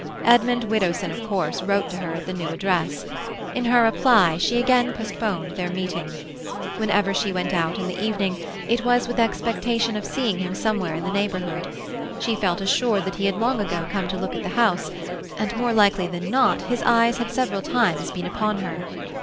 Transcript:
Edmund Widdowson, of course, wrote to her at the new address. In her reply she again postponed their meeting. Whenever she went out in the evening, it was with expectation of seeing him somewhere in the neighbourhood; she felt assured that he had long ago come to look at the house, and more likely than not his eyes had several times been upon her.